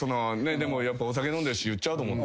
でもお酒飲んでるし言っちゃおうと思って。